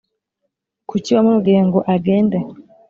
Kuki wamubwiye ngo agende